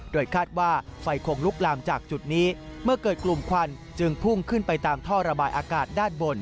โดยคาดว่าไฟคงลุกลามจากจุดนี้เมื่อเกิดกลุ่มควันจึงพุ่งขึ้นไปตามท่อระบายอากาศด้านบน